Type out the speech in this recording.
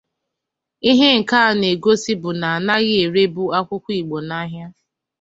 Ihe nke a na-egosi bụ na a naghị erebụ akwụkwọ Igbo n'ahịa